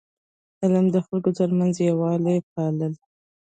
علم د خلکو ترمنځ یووالی پالي.